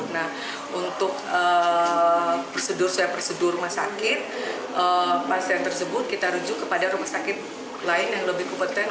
nah untuk prosedur sesuai prosedur rumah sakit pasien tersebut kita rujuk kepada rumah sakit lain yang lebih kompeten